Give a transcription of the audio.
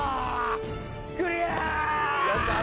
クリア！